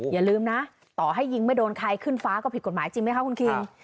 อย่าลืมนะต่อให้ยิงไม่โดนใครขึ้นฟ้าก็ผิดกฎหมายจริงไหมคะคุณคิง